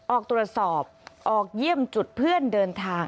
ออกตรวจสอบออกเยี่ยมจุดเพื่อนเดินทาง